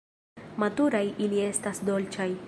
Maturaj ili estas dolĉaj.